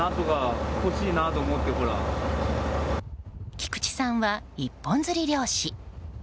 菊池さんは一本釣り漁師。